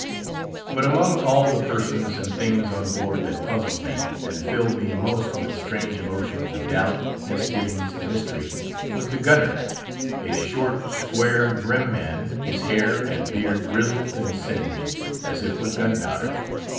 But among all the persons and things on board that puzzled me, and filled me most with strange emotions of doubt, misgivings and mystery, was the Gunner—a short, square, grim man, his hair and beard grizzled and singed, as if with gunpowder.